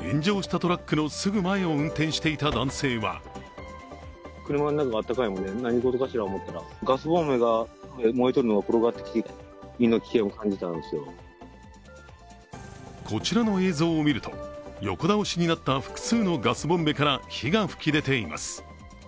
炎上したトラックのすぐ前を運転していた男性はこちらの映像を見ると、横倒しになった複数のガスボンベから火が噴き出ています。